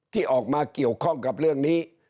ที่ออกมาเกี่ยวข้องกับเรื่องนี้